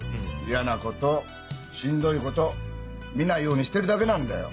嫌なことしんどいこと見ないようにしてるだけなんだよ。